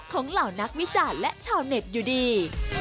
เหล่านักวิจารณ์และชาวเน็ตอยู่ดี